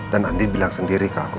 dan andin bilang sendiri ke aku